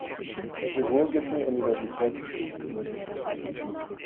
Chirurgischen Universitätsklinik.